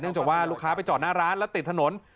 จากว่าลูกค้าไปจอดหน้าร้านแล้วติดถนน